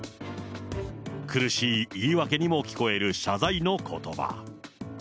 苦しい言い訳にも聞こえる謝罪のことば。